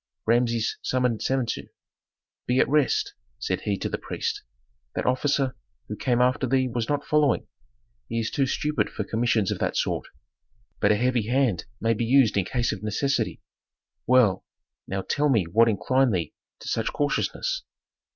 Rameses summoned Samentu. "Be at rest," said he to the priest. "That officer who came after thee was not following. He is too stupid for commissions of that sort. But a heavy hand may be used in case of necessity. Well, now, tell me what inclined thee to such cautiousness?"